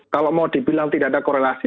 kalau mau dibilang tidak ada korelasi